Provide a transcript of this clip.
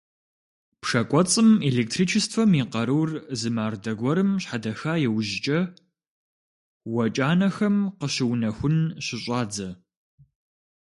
Пшэ кӏуэцӏым электричествэм и къарур зы мардэ гуэрым щхьэдэха иужькӏэ, уэ кӏанэхэм къыщыунэхун щыщӏадзэ.